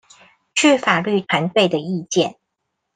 據法律團隊的意見